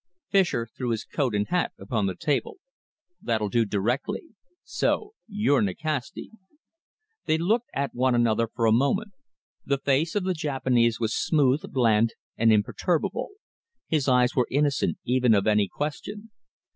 Fischer threw his coat and hat upon the table. "That'll do directly," he replied. "So you're Nikasti?" They looked at one another for a moment. The face of the Japanese was smooth, bland, and imperturbable. His eyes were innocent even of any question.